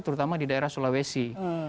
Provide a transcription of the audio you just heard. terutama di daerah sulawesi